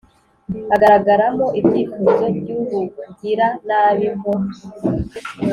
agaragara mo ibyifuzo by'ubug-ira nabi: nko